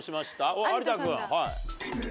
おっ有田君はい。